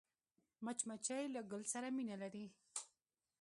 مچمچۍ له ګل سره مینه لري